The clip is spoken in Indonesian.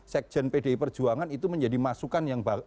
sekjen pdi perjuangan itu menjadi masukan yang